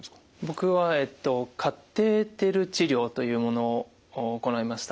僕はえっとカテーテル治療というものを行いました。